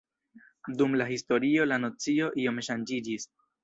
Dum la historio la nocio iom ŝanĝiĝis.